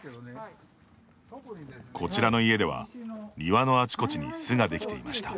こちらの家では、庭のあちこちに巣ができていました。